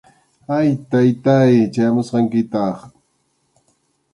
Ay, Taytáy, chayamusqankitaq